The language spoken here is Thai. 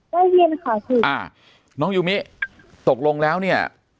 ได้ยินค่ะคุณอ่าน้องยูมิตกลงแล้วเนี่ย